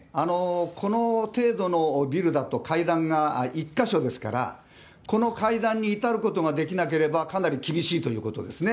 この程度のビルだと階段が１か所ですから、この階段に至ることができなければかなり厳しいということですね。